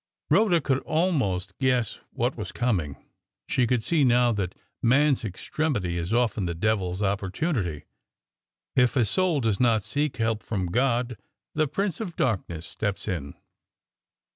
Rhoda could almost guess what was coming. She could see now that man's extremity is often the devil's opportunity. If a soul does not seek help from God, the prince of darkness steps in.